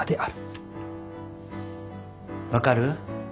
分かる？